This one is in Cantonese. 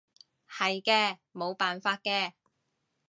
係嘅，冇辦法嘅